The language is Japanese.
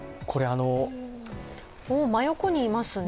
真横にいますね。